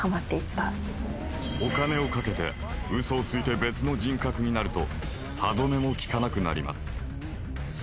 お金をかけてウソをついて別の人格になると歯止めも利かなくなります。